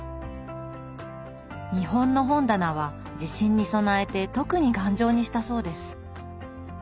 日本の本棚は地震に備えて特に頑丈にしたそうです。